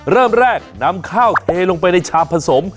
เริ่มแรกนำข้าวเทลงไปในชามผสม